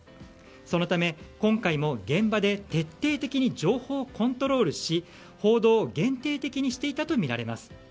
そのため今回も現場で現場で徹底的に情報をコントロールし報道を限定的にしていたとみられます。